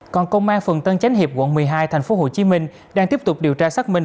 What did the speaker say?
còn công an phường tân chánh hiệp quận một mươi hai tp hcm đang tiếp tục điều tra xác minh